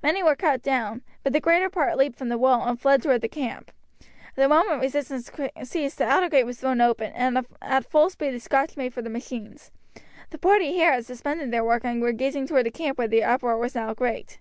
Many were cut down, but the greater part leapt from the wall and fled towards the camp. The moment resistance ceased the outer gate was thrown open, and at full speed the Scotch made for the machines. The party here had suspended their work and were gazing towards the camp, where the uproar was now great.